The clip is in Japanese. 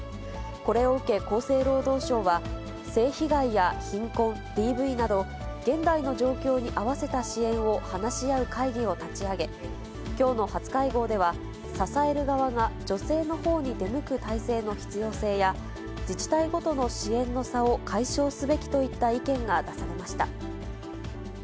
これを受け、厚生労働省は、性被害や貧困、ＤＶなど、現代の状況に合わせた支援を話し合う会議を立ち上げ、きょうの初会合では、支える側が女性のほうに出向く体制の必要性や、自治体ごとの支援の差を解消すべきといった意見が出されました。